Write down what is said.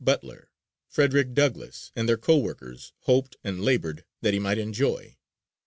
Butler, Frederick Douglass, and their co workers, hoped and labored that he might enjoy.